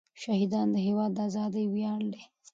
شهیدان د هېواد د ازادۍ ویاړ دی.